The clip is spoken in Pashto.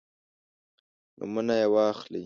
نومونه یې واخلئ.